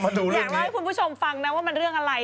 อยากเล่าให้คุณผู้ชมฟังนะว่ามันเรื่องอะไร